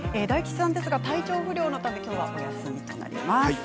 大吉さんですが体調不良のためきょうはお休みとなります。